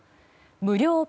無料